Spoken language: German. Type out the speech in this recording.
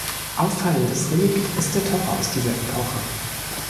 Auffallendes Relikt ist der Torre aus dieser Epoche.